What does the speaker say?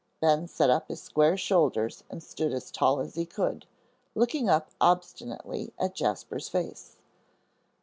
Ben set up his square shoulders and stood as tall as he could, looking up obstinately at Jasper's face.